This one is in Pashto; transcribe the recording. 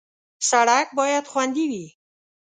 سړک باید خوندي وي.